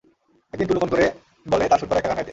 একদিন টুলু ফোন করে বলে তার সুর করা একটা গান গাইতে।